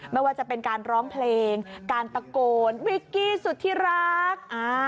ไม่ว่าจะเป็นการร้องเพลงการตะโกนวิกกี้สุธิรัก